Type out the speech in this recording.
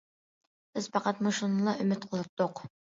بىز پەقەت مۇشۇنىلا ئۈمىد قىلاتتۇق.